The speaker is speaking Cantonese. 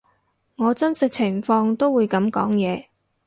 我真實情況都會噉講嘢